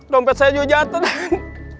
dompet saya juga jatuh dong